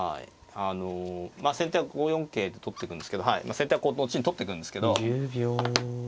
あの先手は５四桂と取ってくんですけど先手はこう取ってくんですけどでまあ